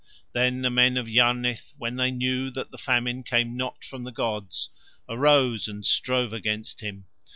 Then the men of Yarnith when they knew that the Famine came not from the gods, arose and strove against him.